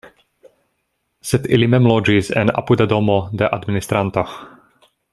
Sed li mem loĝis en apuda domo de administranto.